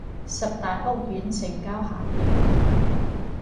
十大屋苑成交下跌